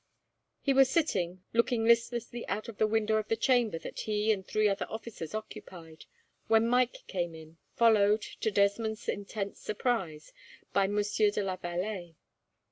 He was sitting, looking listlessly out of the window of the chamber that he and three other officers occupied, when Mike came in, followed, to Desmond's intense surprise, by Monsieur de la Vallee.